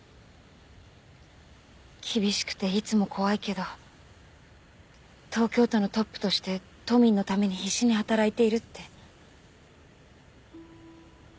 厳しくていつも怖いけど東京都のトップとして都民のために必死に働いているって。